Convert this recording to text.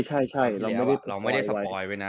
ใช่ใช่เราไม่ได้สปอยด์ไว้